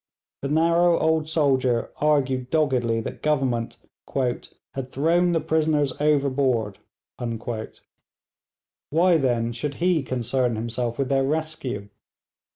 The narrow old soldier argued doggedly that Government 'had thrown the prisoners overboard.' Why, then, should he concern himself with their rescue?